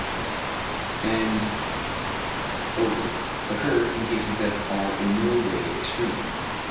^ and over occur in cases that are in no way extreme.